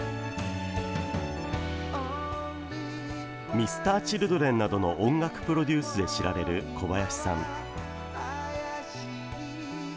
Ｍｒ．Ｃｈｉｌｄｒｅｎなどの音楽プロデュースで知られる小林さん。